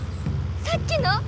さっきの？